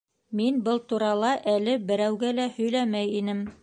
Мин был турала әле берәүгә лә һөйләмәй инем.